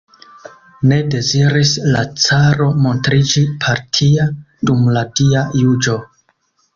Ne deziris la caro montriĝi partia dum la Dia juĝo.